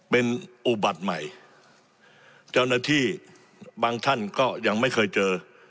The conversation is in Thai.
เป็นอุบัติใหม่เจ้าหน้าที่บางท่านก็ยังไม่เคยเจอ